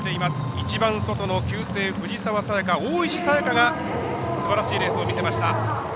一番外の大石沙也加がすばらしいレースを見せました。